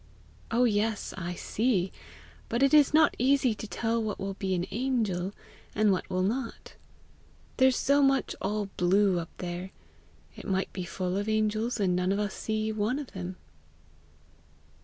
"Oh, yes, I see! but it is not easy to tell what will be an angel and what will not. There's so much all blue up there, it might be full of angels and none of us see one of them!"